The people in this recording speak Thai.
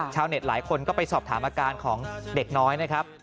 หลายคนก็ไปสอบถามอาการของเด็กน้อยนะครับ